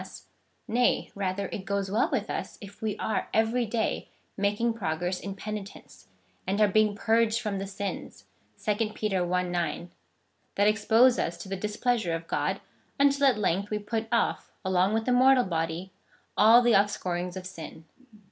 59 ill US ; nay, rather, it goes well with us if we are every day making progress in penitence, and are being purged from the sins (2 Peter i. 9) that expose us to the displeasure of God, until at length we put off, along with the mortal body, all the offscourings of sin.